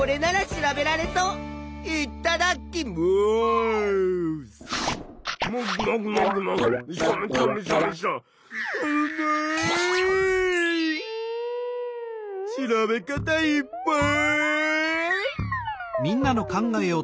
調べ方いっぱい！